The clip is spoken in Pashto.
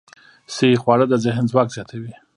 صحي خواړه د ذهن ځواک زیاتوي.